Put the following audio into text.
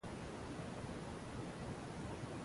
After his acquittal they were restored.